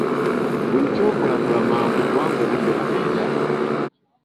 Buli ky’okola kola mangu kubanga obudde bugenda.